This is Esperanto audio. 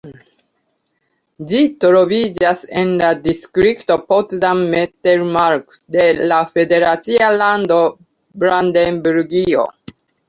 Ĝi troviĝas en la distrikto Potsdam-Mittelmark de la federacia lando Brandenburgio.